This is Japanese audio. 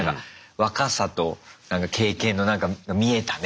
若さと経験のなんか見えたね